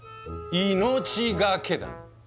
「いのちがけ」だ。